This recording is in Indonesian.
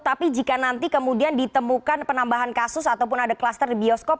tapi jika nanti kemudian ditemukan penambahan kasus ataupun ada kluster di bioskop